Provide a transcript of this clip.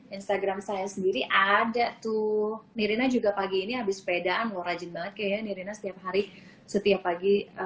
instagram saya sendiri ada tuh mirina juga pagi ini habis sepedaan warajin banget ya mirina setiap hari setiap pagi